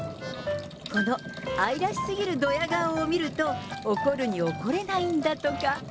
この愛らしすぎるどや顔を見ると、怒るに怒れないんだとか。